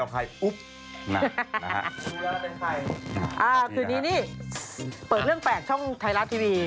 คืนนี้นี่เปิดเรื่องแปลกช่องไทยรัฐทีวี